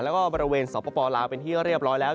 แล้วก็บริเวณสปลาวเป็นที่เรียบร้อยแล้ว